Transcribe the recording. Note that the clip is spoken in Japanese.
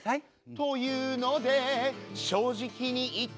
と言うので正直に言ったら。